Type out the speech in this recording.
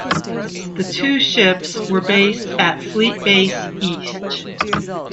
The two ships were based at Fleet Base East.